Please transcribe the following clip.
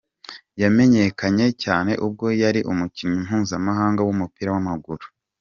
Yamenyekanye cyane ubwo yari umukinnyi mpuzamahanga w’umupira w’amaguru.